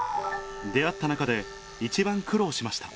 出会った中で一番苦労しました